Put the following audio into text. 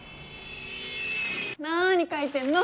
なに書いてんの？